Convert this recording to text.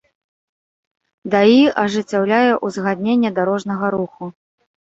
ДАІ ажыццяўляе ўзгадненне дарожнага руху